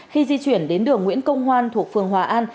khi di chuyển đến đường nguyễn công hoan thuộc phường hòa an